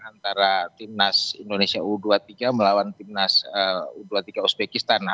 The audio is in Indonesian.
antara timnas indonesia u dua puluh tiga melawan timnas u dua puluh tiga uzbekistan